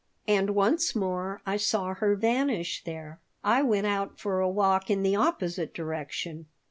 And once more I saw her vanish there I went out for a walk in the opposite direction.